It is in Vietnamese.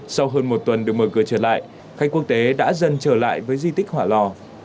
sau hơn một tuần được mở cửa trở lại khách quốc tế đã dần trở lại với di tích hỏa lò